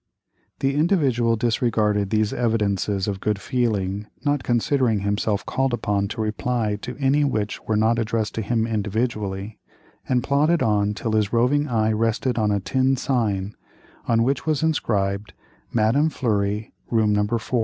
The Individual disregarded these evidences of good feeling, not considering himself called upon to reply to any which were not addressed to him individually, and plodded on till his roving eye rested on a tin sign, on which was inscribed, "Madame Fleury, Room No. 4."